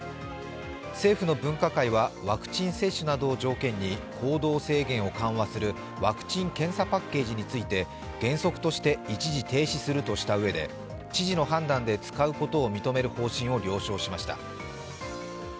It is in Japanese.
政府の分科会はワクチン接種などを条件に行動制限を緩和するワクチン・検査パッケージについて原則として一時停止するとしたうえで知事の判断で使うことを認める方針を了承しました。